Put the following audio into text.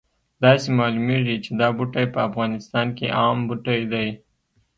داسې معلومیږي چې دا بوټی په افغانستان کې عام بوټی دی